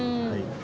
はい。